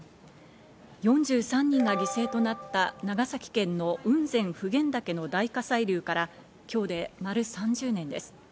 ４３人が犠牲となった長崎県の雲仙普賢岳の大火砕流から今日で丸３０年です。